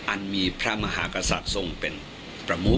อันมีพระมหากสะสงฆ์เป็นประมุกค่ะ